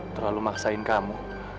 terlalu maksain kamu